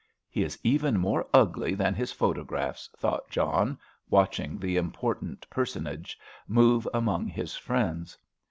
"He is even more ugly than his photographs," thought John, watching the important personage move among his friends.